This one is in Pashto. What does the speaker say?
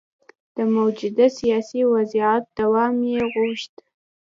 د موجوده سیاسي وضعیت دوام یې غوښت.